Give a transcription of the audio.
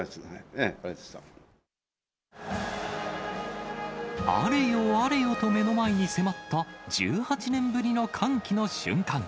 はい、あれよあれよと目の前に迫った、１８年ぶりの歓喜の瞬間。